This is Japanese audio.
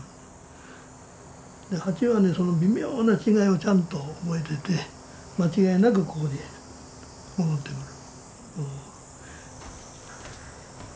蜂はねその微妙な違いをちゃんと覚えてて間違いなくここに戻ってくる。